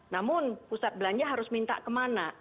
namun pusat belanja harus minta kemana